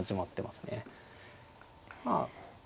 まあ